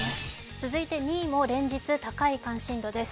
続いて２位も連日、高い関心度です。